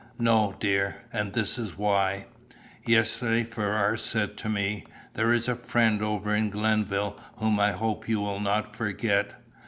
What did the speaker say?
"No, dear, and this is why: Yesterday, Ferrars said to me 'There is a friend over in Glenville whom I hope you will not forget.